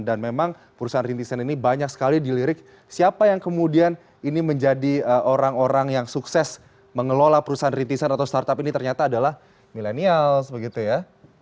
dan memang perusahaan renitisan ini banyak sekali dilirik siapa yang kemudian ini menjadi orang orang yang sukses mengelola perusahaan renitisan atau startup ini ternyata adalah milenials begitu ya